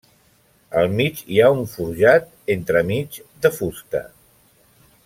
Al mig hi ha un forjat entremig, de fusta.